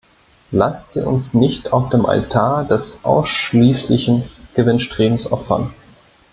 Lasst sie uns nicht auf dem Altar des ausschließlichen Gewinnstrebens opfern.